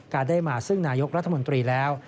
ได้มาซึ่งนายกรัฐมนตรีแล้ว